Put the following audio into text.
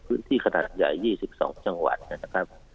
พื้นที่ขนาดใหญ่๒๒จังหวัดนะครับ